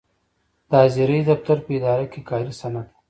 د حاضرۍ دفتر په اداره کې کاري سند دی.